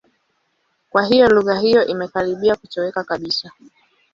Kwa hiyo lugha hiyo imekaribia kutoweka kabisa.